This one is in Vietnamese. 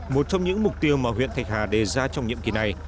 một trong những mục tiêu mà huyện thạch hà đề ra trong nhiệm kỳ này